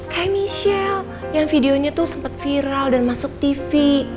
kayak michelle yang videonya tuh sempat viral dan masuk tv